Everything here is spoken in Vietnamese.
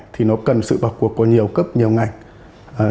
thì nó cần sự vào cuộc của nhiều cấp nhiều ngành